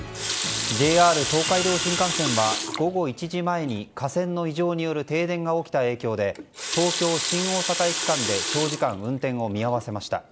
ＪＲ東海道新幹線は午後１時前に架線の異常による停電が起きた影響で東京新大阪駅間で長時間、運転を見合わせました。